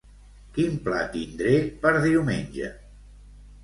Quin pla tindré per diumenge?